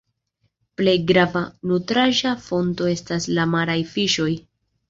Plej grava nutraĵa fonto estas la maraj fiŝoj.